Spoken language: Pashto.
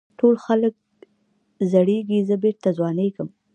ټول خلک زړېږي زه بېرته ځوانېږم.